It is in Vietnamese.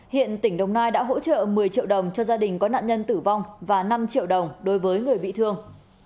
hiện tỉnh đồng nai đã hỗ trợ một mươi triệu đồng cho gia đình có nạn nhân tử vong và năm triệu đồng đối với người bị thương